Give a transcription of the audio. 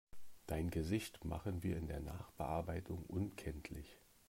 Dein Gesicht machen wir in der Nachbearbeitung unkenntlich.